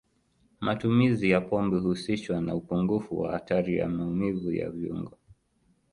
Matumizi ya pombe huhusishwa na upungufu wa hatari ya maumivu ya viungo.